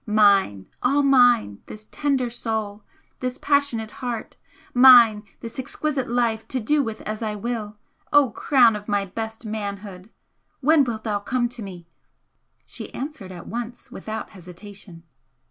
Mine all mine this tender soul, this passionate heart! mine this exquisite life to do with as I will! O crown of my best manhood! when wilt thou come to me?" She answered at once without hesitation.